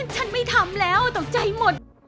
ฉันไม่ทำแล้วตกใจหมด